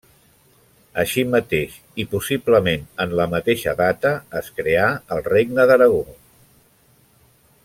Així mateix, i possiblement en la mateixa data, es creà al Regne d'Aragó.